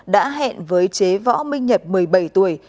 đã hẹn với chế võ minh nhật một mươi bảy tuổi